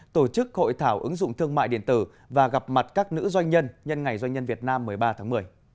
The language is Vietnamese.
tổ chức hội thảo ứng dụng thương mại điện tử và gặp mặt các nữ doanh nhân nhân ngày doanh nhân việt nam một mươi ba tháng một mươi